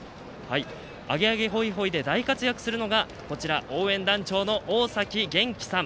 「アゲアゲホイホイ」で大活躍するのがこちら、応援団長のおおさきげんきさん。